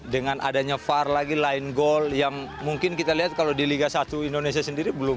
dengan adanya var lagi line goal yang mungkin kita lihat kalau di liga satu indonesia sendiri belum